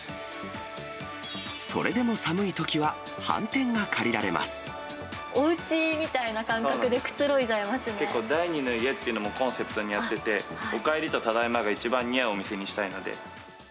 それでも寒いときははんてんおうちみたいな感覚でくつろ結構第二の家というのもコンセプトにやってて、おかえりとただいまが一番似合うお店にしたいので。